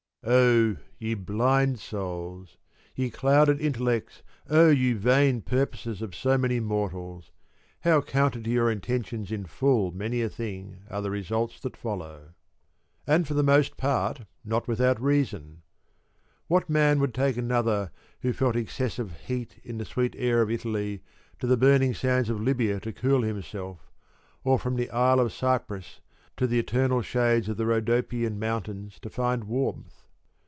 21 Oh, ye blind souls, oh, ye clouded intellects, oh, ye vain purposes of so many mortals, how counter to your intentions in full many a thing are the results that follow ;— and for the most part not without reason ! What man would take another who felt excessive heat in the sweet air of Italy to the burning sands of Lybia to cool himself, or from the Isle of Cyprus to the eternal shades of the Rhodopaean mountains to find warmth